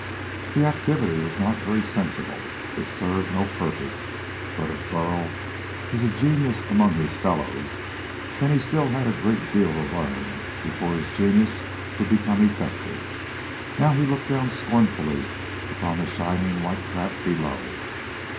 The activity was not very sensible. It served no purpose. But if Burl was a genius among his fellows, then he still had a great deal to learn before his genius would be effective. Now he looked down scornfully upon the shining white trap below.